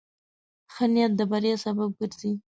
ښه نیت د بریا سبب ګرځي.